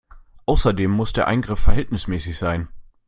Außerdem muss der Eingriff verhältnismäßig sein.